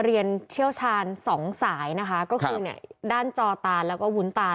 เชี่ยวชาญสองสายนะคะก็คือเนี่ยด้านจอตาแล้วก็วุ้นตา